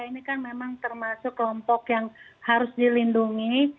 ini kan memang termasuk kelompok yang harus dilindungi